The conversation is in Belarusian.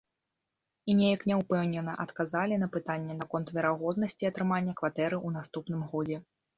І неяк няўпэўнена адказалі на пытанне наконт верагоднасці атрымання кватэры ў наступным годзе.